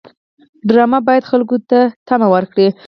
ډرامه باید خلکو ته تمه ورکړي